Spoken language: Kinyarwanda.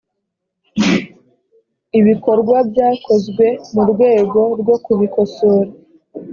ibikorwa byakozwe mu rwego rwo kubikosora